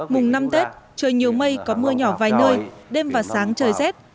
mùng năm tết trời nhiều mây có mưa nhỏ vài nơi đêm và sáng trời rét